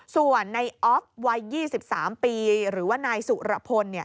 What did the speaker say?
ส่วนในออฟวัย๒๓ปีหรือว่านายสุรพล